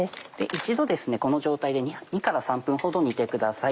一度この状態で２分から３分ほど煮てください。